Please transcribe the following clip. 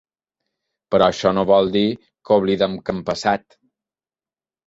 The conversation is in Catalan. Però això no vol dir que oblidem què hem passat